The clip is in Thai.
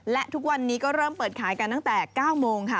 และทุกวันนี้ก็เริ่มเปิดขายกันตั้งแต่๙โมงค่ะ